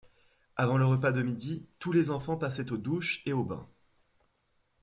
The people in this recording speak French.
Avant le repas de midi, tous les enfants passaient aux douches et aux bains.